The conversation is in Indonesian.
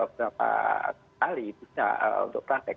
berapa kali bisa untuk praktek